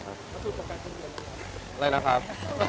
อะไรนะครับ